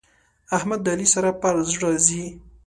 احمد د علي سره پر زړه ځي.